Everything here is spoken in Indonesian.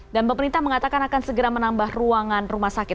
dan pemerintah mengatakan akan segera menambah ruangan rumah sakit